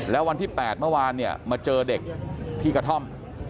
แล้ววันที่๘เมื่อวานเนี่ยมาเจอเด็กที่กระท่อม